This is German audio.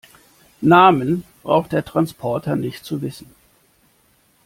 Namen braucht der Transporter nicht zu wissen.